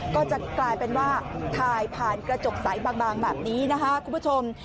ก็จะกลายเป็นว่าถ่ายผ่านกระจกใสบางแบบนี้นะคะคุณผู้ชม